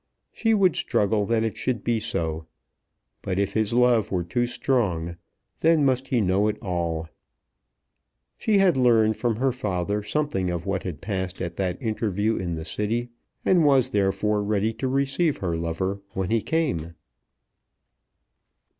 She would struggle that it should be so. But if his love were too strong, then must he know it all. She had learned from her father something of what had passed at that interview in the City, and was therefore ready to receive her lover when he came.